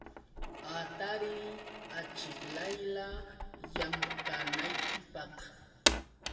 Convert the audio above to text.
Hatariy achiklaylla llamkanaykipaq.